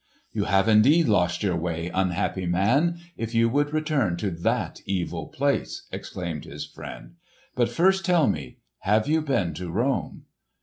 "You have indeed lost your way, unhappy man, if you would return to that evil place!" exclaimed his friend. "But first tell me, have you been to Rome?"